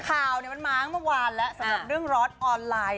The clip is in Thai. ข่าวมันมาเมื่อวานแล้วสำหรับเรื่องร้อนออนไลน์